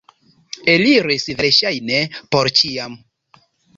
Eliris, verŝajne, por ĉiam.